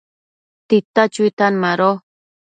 tita chuitan mado